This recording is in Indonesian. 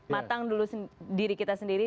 matang dulu diri kita sendiri